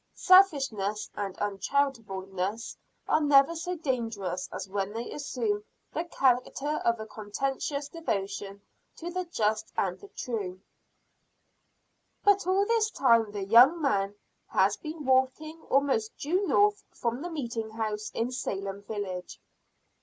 Selfishness and uncharitableness are never so dangerous as when they assume the character of a conscientious devotion to the just and the true. But all this time the young man has been walking almost due north from the meeting house in Salem village.